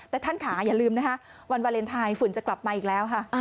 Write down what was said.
แต่ท่านค่ะอย่าลืมนะคะวันวาเลนไทยฝุ่นจะกลับมาอีกแล้วค่ะ